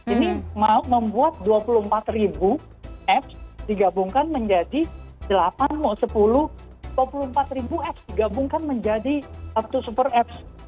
ini membuat dua puluh empat ribu apps digabungkan menjadi sepuluh dua puluh empat ribu apps digabungkan menjadi satu super apps